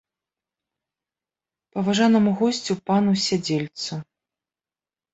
Паважанаму госцю, пану сядзельцу.